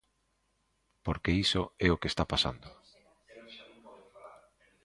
Porque iso é o que está pasando.